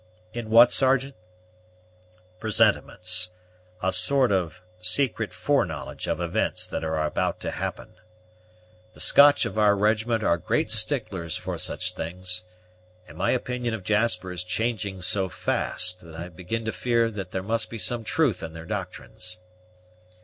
"In what, Sergeant?" "Presentiments, a sort of secret foreknowledge of events that are about to happen. The Scotch of our regiment are great sticklers for such things; and my opinion of Jasper is changing so fast, that I begin to fear there must be some truth in their doctrines."